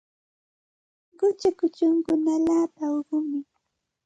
Qucha kuchunkuna allaapa uqumi.